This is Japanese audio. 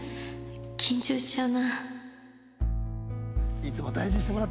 緊張しちゃうな